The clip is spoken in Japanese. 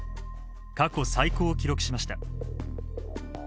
過去最高を記録しました。